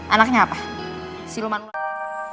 anaknya apa surman ular